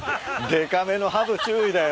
でかめのハブ注意だよ。